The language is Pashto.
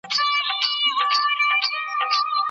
د خپل بېپایه عظمت او ښایستونو تکرار